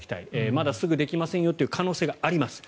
まだ、すぐできませんよという可能性があります。